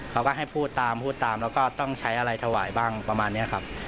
เขาก็ให้พูดตามพูดตามแล้วก็ต้องใช้อะไรถวายบ้างประมาณนี้ครับ